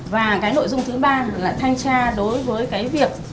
và cái nội dung thứ ba là thanh tra đối với cái việc